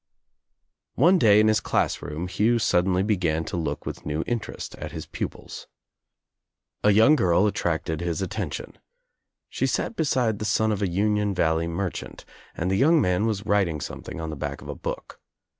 One day in his class room Hugh suddenly began to look with new interest at his pupils. A young girl attracted his attention. She sat beside the son of a Union Valley merchant and the young man was writ ing something on the back of a book.